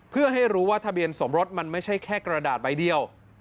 เพื่อให้รู้ว่าทะเบียนสมรสมันไม่ใช่แค่กระดาษใบเดียว